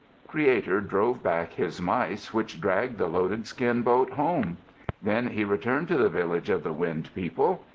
Creator drove back his mice which dragged the loaded skin boat home. Then he returned to the village of the Wind People.